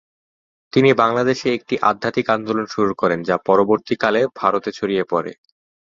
তিনি বাংলাদেশে একটি আধ্যাত্মিক আন্দোলন শুরু করেন যা পরবর্তীকালে ভারতে ছড়িয়ে পড়ে।